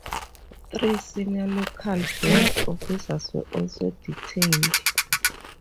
Three senior local police officers were also detained.